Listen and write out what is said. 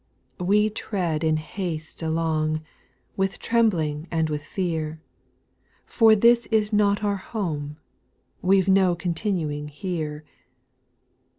We tread in haste along, With trembling and with fear. For this is not our home. We 've no continuing here.